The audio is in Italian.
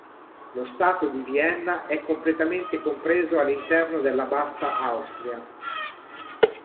Lo stato di Vienna è completamente compreso all'interno della Bassa Austria.